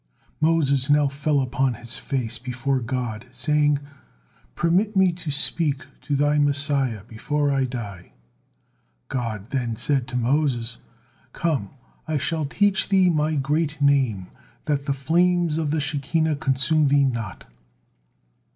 Moses now fell upon his face before God, saying, "Permit me to speak to Thy Messiah before I die." God then said to Moses: "Come, I shall teach thee My great name, that the flames of the Shekinah consume thee not."